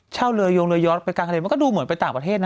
เช่าเรือยงเรือย้อนไปกลางทะเลมันก็ดูเหมือนไปต่างประเทศนะ